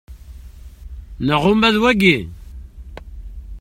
Neɣ uma d wayi.